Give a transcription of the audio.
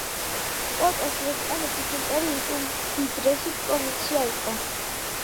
პოტოსი ესპანეთის იმპერიის უმდიდრესი პროვინცია იყო.